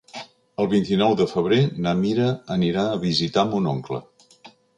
El vint-i-nou de febrer na Mira anirà a visitar mon oncle.